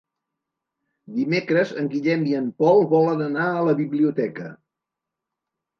Dimecres en Guillem i en Pol volen anar a la biblioteca.